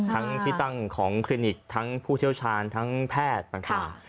ทั้งที่ตั้งของคลินิกทั้งผู้เชี่ยวชาญทั้งแพทย์ต่าง